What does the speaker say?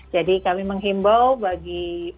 jadi kami menghimbau bagi para pendonor maupun petugas